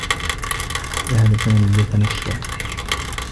ذهب سامي يتمشّى.